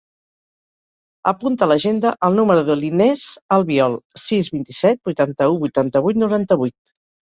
Apunta a l'agenda el número de l'Inès Albiol: sis, vint-i-set, vuitanta-u, vuitanta-vuit, noranta-vuit.